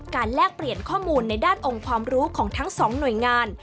แลกเปลี่ยนข้อมูลในด้านองค์ความรู้ของทั้งสองหน่วยงาน